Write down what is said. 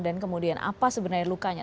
dan kemudian apa sebenarnya lukanya